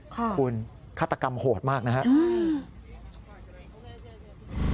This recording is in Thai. คุณฆาตกรรมโหดมากนะครับ